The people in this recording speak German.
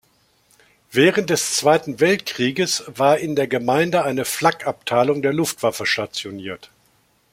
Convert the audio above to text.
Während des Zweiten Weltkrieges war in der Gemeinde eine Flak-Abteilung der Luftwaffe stationiert.